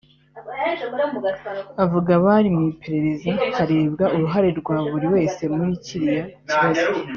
Avuga bari mu iperereza harebwa uruhare rwa buri wese muri kiriya kibazo